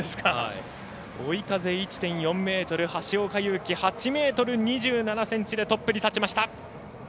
追い風１．４メートル橋岡優輝、８ｍ２７ｃｍでトップに立ちました。